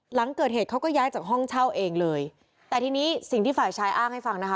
หลังเกิดเหตุเขาก็ย้ายจากห้องเช่าเองเลยแต่ทีนี้สิ่งที่ฝ่ายชายอ้างให้ฟังนะคะ